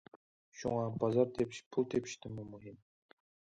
شۇڭا بازار تېپىش پۇل تېپىشتىنمۇ مۇھىم.